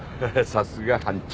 さすが班長。